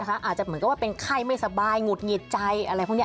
อาจจะเหมือนกับว่าเป็นไข้ไม่สบายหงุดหงิดใจอะไรพวกนี้